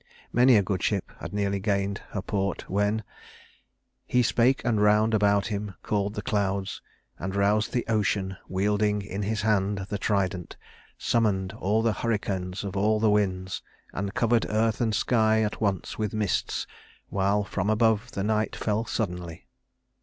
Many a good ship had nearly gained her port when "He spake and round about him called the clouds And roused the ocean wielding in his hand The trident summoned all the hurricanes Of all the winds, and covered earth and sky At once with mists, while from above the night Fell suddenly."